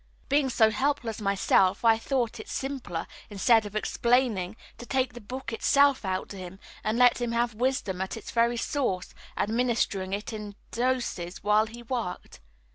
Being so helpless myself, I thought it simpler, instead of explaining, to take the book itself out to him and let him have wisdom at its very source, administering it in doses while he worked.